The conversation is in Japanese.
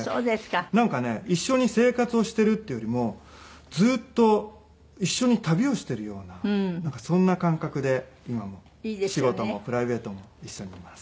なんかね一緒に生活をしてるっていうよりもずっと一緒に旅をしてるようなそんな感覚で今も仕事もプライベートも一緒にいます。